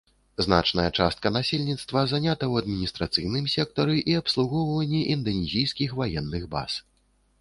Значная частка насельніцтва занята ў адміністрацыйным сектары і абслугоўванні інданезійскіх ваенных баз.